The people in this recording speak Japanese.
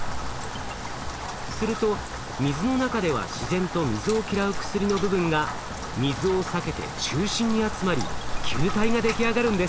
すると水の中では自然と水を嫌う薬の部分が水を避けて中心に集まり球体が出来上がるんです。